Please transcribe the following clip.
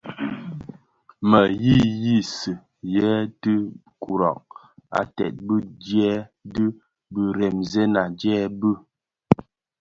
Mè yiyisi yèè ti kurag ated bi dièè dhi biremzèna dièè bi.